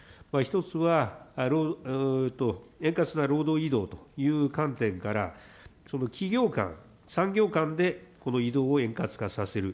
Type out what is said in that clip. １つは円滑な労働移動という観点から、企業間、産業間で移動を円滑化させる。